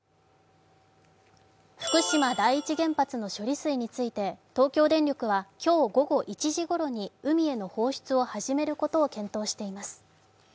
福島第一原発の処理水について東京電力は今日午後１時ごろに海への放出を始めることを検討しています。